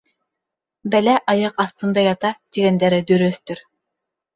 «Бәлә аяҡ аҫтында ята» тигәндәре дөрөҫтөр.